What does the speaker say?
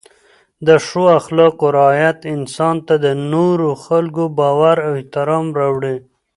د ښو اخلاقو رعایت انسان ته د نورو خلکو باور او احترام راوړي.